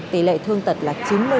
tỷ lệ thương tật là chín mươi